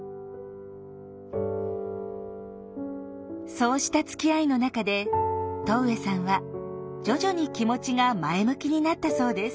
そうしたつきあいの中で戸上さんは徐々に気持ちが前向きになったそうです。